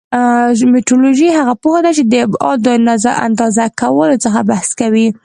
مټرولوژي هغه پوهه ده چې د ابعادو اندازه کولو څخه بحث کوي.